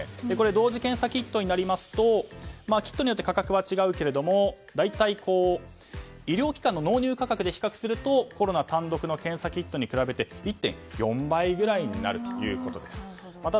同時検査キットになりますとキットによって価格は違いますが大体、医療機関の納入価格で比較するとコロナ単独の検査キットに比べて１．４倍くらいになるということでした。